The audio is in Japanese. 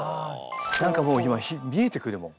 何かもう今見えてくるもん。